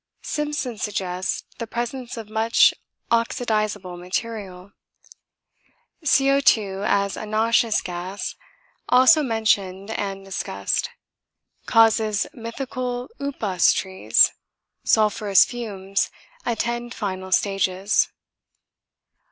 Simpson suggests the presence of much oxidizable material. CO_2 as a noxious gas also mentioned and discussed causes mythical 'upas' tree sulphurous fumes attend final stages.